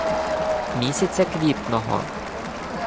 Місяця квітного